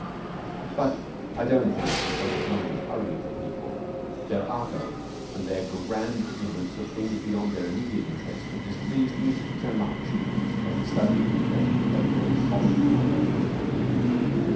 But I don't think it was the blind hurry of the people, their argot, and their grand ignorance of things beyond their immediate interests that displeased me so much as a study of the daily papers of Chicago.